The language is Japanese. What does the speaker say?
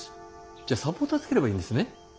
じゃサポーターつければいいんですね？